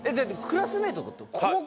クラスメイトってこと？